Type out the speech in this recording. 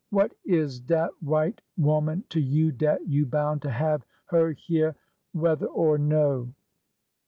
What is dat white 'oman to you dat you boun' to have her hyeah whe ther or no